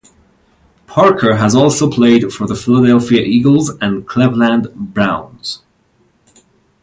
Parker has also played for the Philadelphia Eagles and Cleveland Browns.